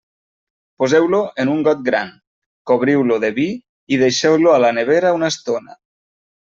Poseu-lo en un got gran, cobriu-lo de vi i deixeu-lo a la nevera una estona.